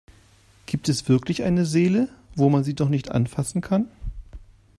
Gibt es wirklich eine Seele, wo man sie doch nicht anfassen kann?